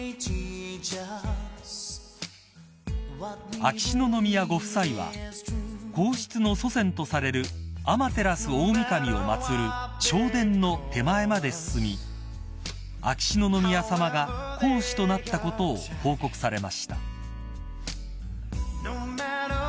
［秋篠宮ご夫妻は皇室の祖先とされる天照大御神を祭る正殿の手前まで進み秋篠宮さまが皇嗣となったことを報告されました］